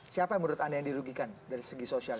siapa menurut anda yang dirugikan dari segi sosialnya